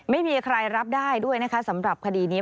ไม่มีใครรับได้ด้วยนะคะสำหรับคดีนี้